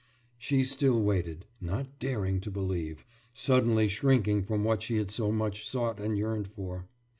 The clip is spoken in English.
« She still waited, not daring to believe, suddenly shrinking from what she had so much sought and yearned for.